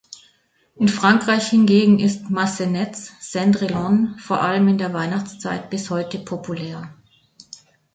In Frankreich hingegen ist Massenets "Cendrillon" vor allem in der Weihnachtszeit bis heute populär.